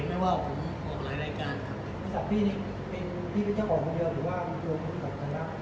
ไม่ว่าผมออกหลายรายการครับ